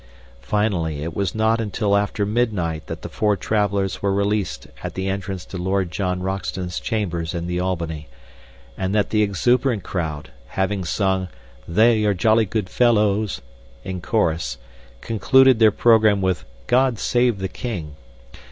Finally, it was not until after midnight that the four travelers were released at the entrance to Lord John Roxton's chambers in the Albany, and that the exuberant crowd, having sung 'They are Jolly Good Fellows' in chorus, concluded their program with 'God Save the King.'